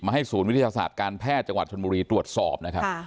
ให้ศูนย์วิทยาศาสตร์การแพทย์จังหวัดชนบุรีตรวจสอบนะครับ